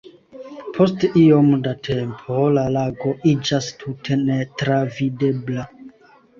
Post iom da tempo, la lago iĝas tute netravidebla.